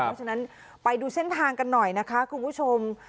เพราะฉะนั้นไปดูเส้นทางกันหน่อยนะคะคุณผู้ชม